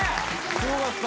すごかった。